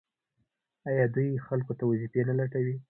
آیا دوی خلکو ته وظیفې نه لټوي؟